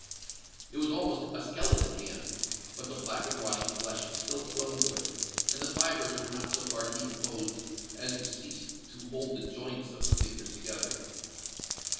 It was almost a skeleton hand; but the black and rotting flesh still clung to it, and the fibres were not so far decomposed as to cease to hold the joints of the fingers together.